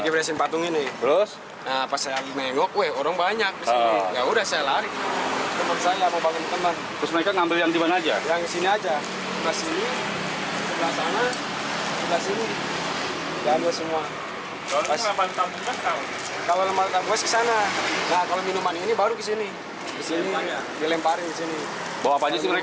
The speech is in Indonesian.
bawa apa aja sih mereka